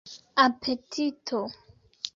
apetito